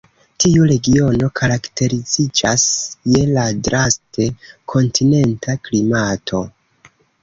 Tiu regiono karakteriziĝas je la draste kontinenta klimato.